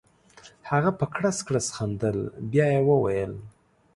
هغه په کړس کړس خندل بیا یې وویل.